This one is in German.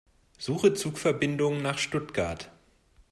Suche Zugverbindungen nach Stuttgart.